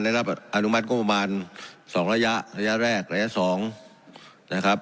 ในรับอนุมัติก็ประมาณสองระยะระยะแรกระยะสองนะครับ